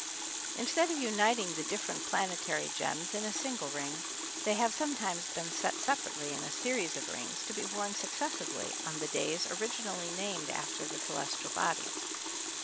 Instead of uniting the different planetary gems in a single ring, they have sometimes been set separately in a series of rings to be worn successively on the days originally named after the celestial bodies.